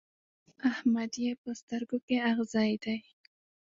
احمد يې په سترګو کې اغزی دی.